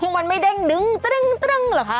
มันไม่แด้งดึ้งตะดึ้งตะดึงเหรอคะ